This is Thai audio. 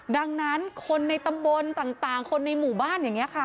ดังนั้นคนในตำบลต่างคนในหมู่บ้านอย่างนี้ค่ะ